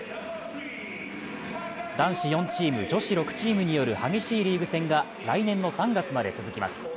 男子４チーム、女子６チームによる激しいリーグ戦が来年の３月まで続きます。